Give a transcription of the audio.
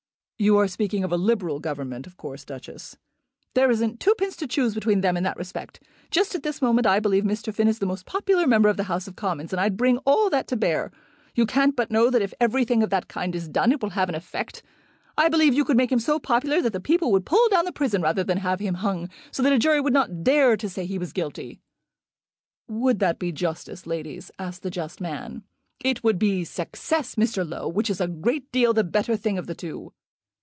"You are speaking of a liberal Government, of course, Duchess." "There isn't twopence to choose between them in that respect. Just at this moment I believe Mr. Finn is the most popular member of the House of Commons; and I'd bring all that to bear. You can't but know that if everything of that kind is done it will have an effect. I believe you could make him so popular that the people would pull down the prison rather than have him hung; so that a jury would not dare to say he was guilty." "Would that be justice, ladies?" asked the just man. "It would be success, Mr. Low, which is a great deal the better thing of the two."